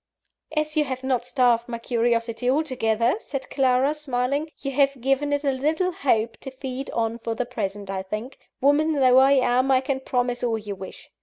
"As you have not starved my curiosity altogether," said Clara, smiling, "but have given it a little hope to feed on for the present, I think, woman though I am, I can promise all you wish.